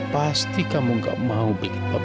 pasti kamu gak mau bikin bapak sedih ya